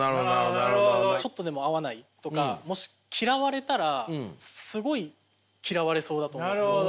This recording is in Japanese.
ちょっとでも合わないとかもし嫌われたらすごい嫌われそうだと思うと。